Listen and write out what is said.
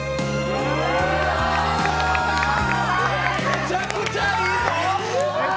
めちゃくちゃいいぞ！